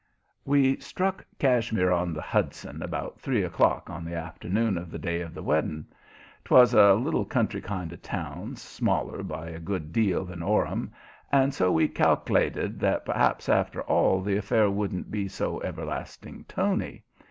We struck Cashmere on the Hudson about three o'clock on the afternoon of the day of the wedding. 'Twas a little country kind of a town, smaller by a good deal than Orham, and so we cal'lated that perhaps after all, the affair wouldn't be so everlasting tony.